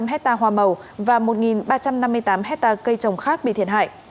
ba trăm ba mươi năm hectare hòa màu và một ba trăm năm mươi tám hectare cây trồng khác bị thiệt hại